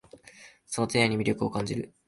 その提案に魅力を感じる